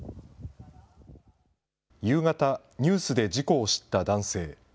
夕方、ニュースで事故を知った男性。